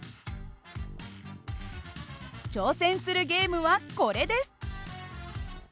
挑戦するゲームはこれです！